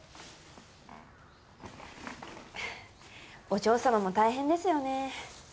お嬢様も大変ですよね。